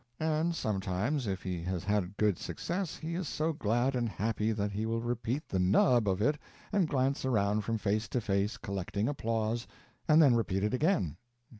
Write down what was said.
And sometimes, if he has had good success, he is so glad and happy that he will repeat the "nub" of it and glance around from face to face, collecting applause, and then repeat it again.